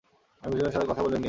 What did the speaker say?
আমি ভূষণের সাথে কথা বলে নিই।